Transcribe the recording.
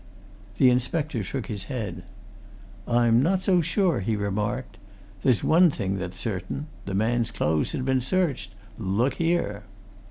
The inspector shook his head. "I'm not so sure," he remarked. "There's one thing that's certain the man's clothes had been searched. Look here!"